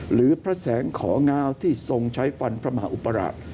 หรือพระแสงของงาวที่ทรงใช้ฟันพระมหาอุปราช